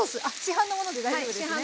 あっ市販のもので大丈夫ですね。